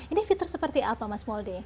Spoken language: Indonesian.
ini fitur seperti apa mas mouldie